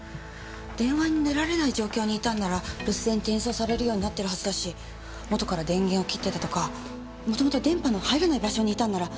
電話に出られない状況にいたんなら留守電に転送されるようになってるはずだし元から電源を切ってたとか元々電波の入らない場所にいたんなら。